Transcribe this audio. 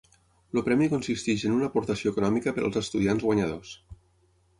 El premi consisteix en una aportació econòmica per als estudiants guanyadors.